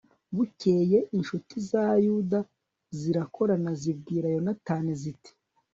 bukeye, incuti za yuda zirakorana zibwira yonatani, ziti